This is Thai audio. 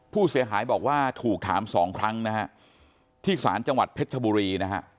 ผู้เสียหายบอกว่าถูกถาม๒ครั้งที่สารจังหวัดเพชรภบุรี